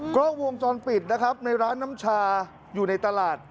กล้องวงจรปิดนะครับในร้านน้ำชาอยู่ในตลาด